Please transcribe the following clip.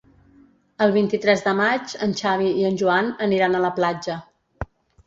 El vint-i-tres de maig en Xavi i en Joan aniran a la platja.